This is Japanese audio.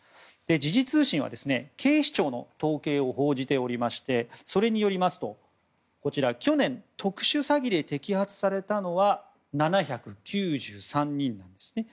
時事通信は警視庁の統計を報じておりましてそれによりますと去年、特殊詐欺で摘発されたのは７９３人なんですね。